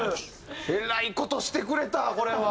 えらい事してくれたわこれは。